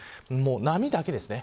波だけですね。